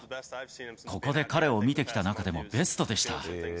ここで彼を見てきた中でもベストでした。